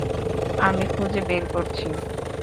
আমি খুঁজে বের করছি!